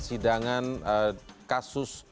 ini bphtb